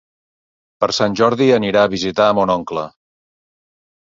Per Sant Jordi anirà a visitar mon oncle.